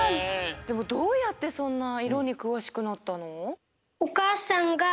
でもどうやってそんないろにくわしくなったの？